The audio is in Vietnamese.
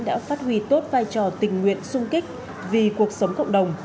đã phát huy tốt vai trò tình nguyện sung kích vì cuộc sống cộng đồng